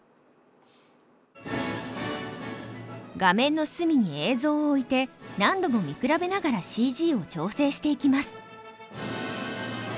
画面の隅に映像を置いて何度も見比べながらＣＧを調整していきます。